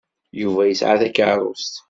Yuba yesɛa takeṛṛust.